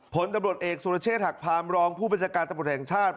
ผลตำรวจเอกสุรเชษฐกพาร์มรองผู้เป็นจักรตำรวจแห่งชาติ